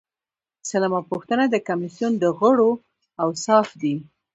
سلمه پوښتنه د کمیسیون د غړو اوصاف دي.